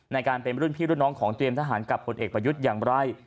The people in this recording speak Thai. ในการเป็นรุ่นพี่รุ่นน้องของเตรียมทหารกับผลเอกประยุทธ์อย่างไร